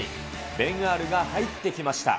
ベン・アールが入ってきました。